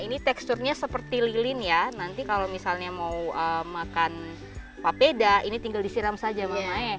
ini teksturnya seperti lilin ya nanti kalau misalnya mau makan papeda ini tinggal disiram saja mama ya